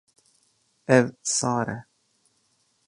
Ev sar e.